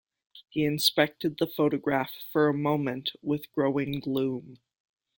He inspected the photograph for a moment with growing gloom.